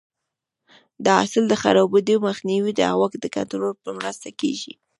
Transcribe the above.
د حاصل د خرابېدو مخنیوی د هوا د کنټرول په مرسته کېږي.